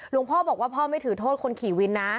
พ่อบอกว่าพ่อไม่ถือโทษคนขี่วินนะ